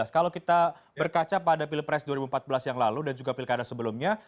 kalau kita berkaca pada pilpres dua ribu empat belas yang lalu dan juga pilkada sebelumnya